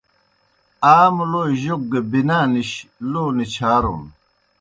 آ مُلوئے جوک گہ بِنا نِش، لو نِچھارُن۔